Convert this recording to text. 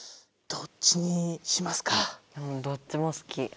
どっちも好き。